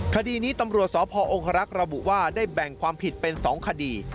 คดีนี้ตำรวจสออรับว่าได้แบ่งความผิดเป็น๒คดี